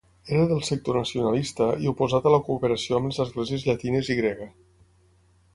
Era del sector nacionalista i oposat a la cooperació amb les esglésies llatines i grega.